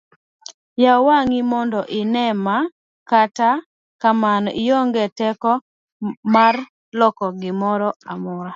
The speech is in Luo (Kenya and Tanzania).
yaw wang'i mondo ine ma, kata kamano ionge teko marlokogimoro